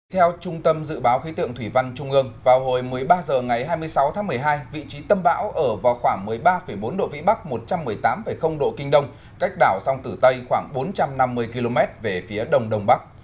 theo trung tâm dự báo khí tượng thủy văn trung ương vào hồi một mươi ba h ngày hai mươi sáu tháng một mươi hai vị trí tâm bão ở vào khoảng một mươi ba bốn độ vĩ bắc một trăm một mươi tám độ kinh đông cách đảo song tử tây khoảng bốn trăm năm mươi km về phía đông đông bắc